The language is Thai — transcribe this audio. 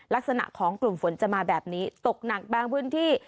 ลักษณะของกลุ่มฝนจะมาแบบนี้ตกหนักบางพื้นที่